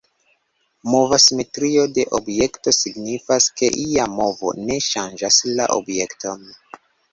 Mova simetrio de objekto signifas, ke ia movo ne ŝanĝas la objekton.